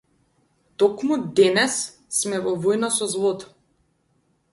Токму денес сме во војна со злото!